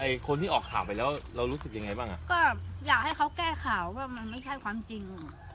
คนที่ออกข่าวไปแล้วเรารู้สึกยังไงบ้างอ่ะก็อยากให้เขาแก้ข่าวว่ามันไม่ใช่ความจริง